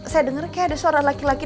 saya denger kayak ada suara laki laki